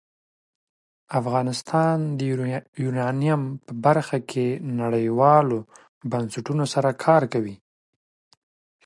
افغانستان د یورانیم په برخه کې نړیوالو بنسټونو سره کار کوي.